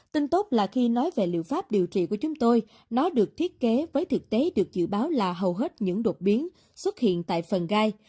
tin tốt là khi nói về liệu pháp điều trị của chúng tôi nó được thiết kế với thực tế được dự báo là hầu hết những đột biến xuất hiện tại phần gai